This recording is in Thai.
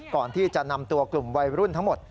ก่อนที่จะนำตัวกลุ่มวัยรุ่นทั้งหมด